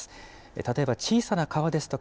例えば小さな川ですとか